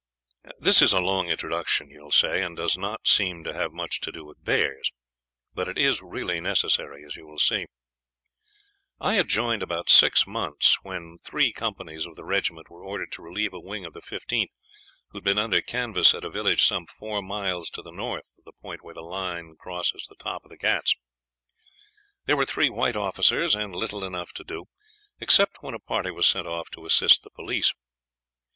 "This is a long introduction, you will say, and does not seem to have much to do with bears; but it is really necessary, as you will see. I had joined about six months when three companies of the regiment were ordered to relieve a wing of the 15th, who had been under canvas at a village some four miles to the north of the point where the line crosses the top of the Ghauts. There were three white officers, and little enough to do, except when a party was sent off to assist the police.